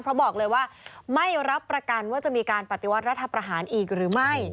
เพราะบอกเลยว่าไม่รับประกันว่าจะมีการปฏิวัติรัฐประหารอีกหรือไม่